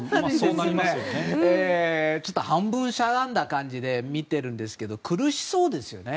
半分しゃがんだ感じで見ているんですけど苦しそうですよね。